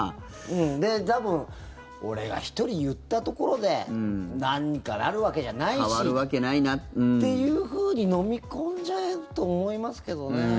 で、多分俺が１人言ったところで変わるわけないな。っていうふうに飲み込んじゃうと思いますけどね。